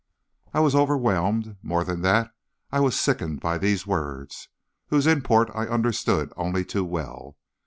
"I was overwhelmed; more than that, I was sickened by these words, whose import I understood only too well.